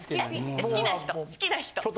好きな人好きな人。